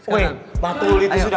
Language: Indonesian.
wih batu kulitnya sudah